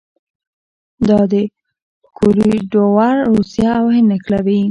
دا کوریډور روسیه او هند نښلوي.